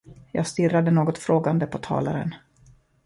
Jag stirrade något frågande på talaren.